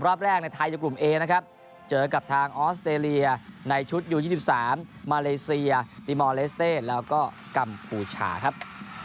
รอบแรกในไทยจากกลุ่มเอนะครับเจอกับทางออสเตรเลียในชุดยู๒๓มาเลเซียตีมอลเลสเต้แล้วก็กัมพูชาครับ